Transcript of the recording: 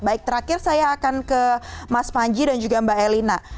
baik terakhir saya akan ke mas panji dan juga mbak elina